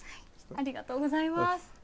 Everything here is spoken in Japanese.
ありがとうございます。